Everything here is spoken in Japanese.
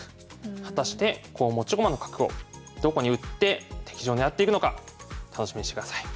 果たして持ち駒の角をどこに打って敵陣を狙っていくのか楽しみにしてください。